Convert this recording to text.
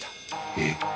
えっ！？